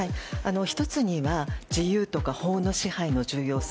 １つには自由とか法の支配の重要性。